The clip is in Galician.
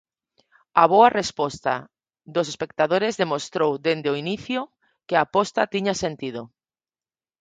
A boa resposta dos espectadores demostrou dende o inicio que a aposta tiña sentido.